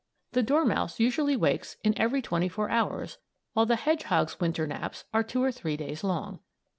The dormouse usually wakes in every twenty four hours, while the hedgehog's Winter naps are two or three days long.